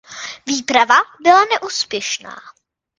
Výprava byla neúspěšná.